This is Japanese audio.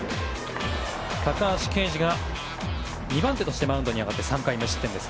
高橋奎二が２番手としてマウンドに上がって３回無失点です。